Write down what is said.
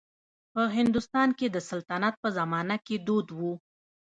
په هندوستان کې د سلطنت په زمانه کې دود و.